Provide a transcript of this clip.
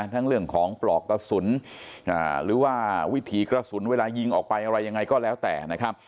เรื่องของปลอกกระสุนหรือว่าวิถีกระสุนเวลายิงออกไปอะไรยังไงก็แล้วแต่นะครับ